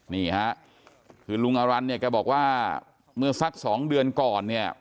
นี่ฮะคือลุงอรันต์เนี่ยแกบอกว่าเมื่อสักสองเดือนก่อนเนี่ย